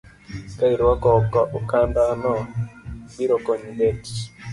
Ka irwako okanda no, biro konyi bet